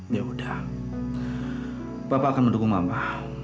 yaudah papa akan mendukung mama